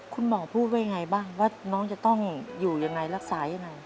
คุณหมอพูดไว้ไงบ้างว่าน้องจะต้องอยู่อย่างไรรักษาอย่างไร